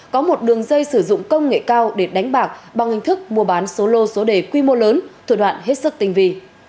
có một đường dây sử dụng công nghệ cao để đánh bạc bằng hình thức mua bán số lô số đề quy mô lớn thủ đoạn hết sức tinh vi